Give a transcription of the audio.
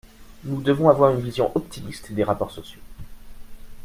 Nous devons avoir une vision optimiste des rapports sociaux.